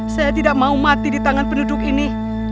saya tidak mau mati di tangan penduduk ini